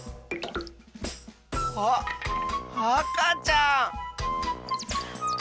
あっあかちゃん！